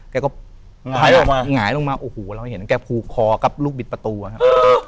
แกก็หายออกมาหงายลงมาโอ้โหเราเห็นแกผูกคอกับลูกบิดประตูอะครับ